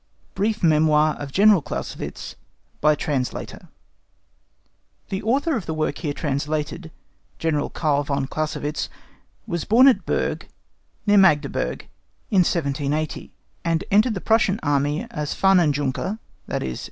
BRIEF MEMOIR OF GENERAL CLAUSEWITZ (BY TRANSLATOR) The Author of the work here translated, General Carl Von Clausewitz, was born at Burg, near Magdeburg, in 1780, and entered the Prussian Army as Fahnenjunker (_i.e.